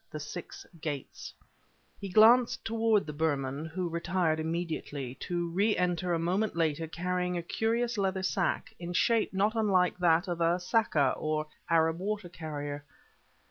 THE SIX GATES He glanced toward the Burman, who retired immediately, to re enter a moment later carrying a curious leather sack, in shape not unlike that of a sakka or Arab water carrier.